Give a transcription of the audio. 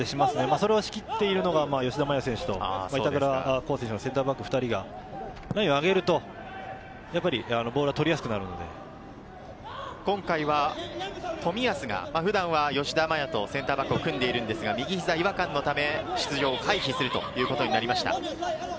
それを仕切っているのが吉田麻也選手、板倉選手がセンターバックがラインを上げるとボールが取りやすく今回は冨安が普段は吉田麻也とセンターバックを組んでいるんですが、右ひざ違和感のため出場回避をするということになりました。